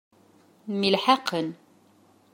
Myelḥaqen.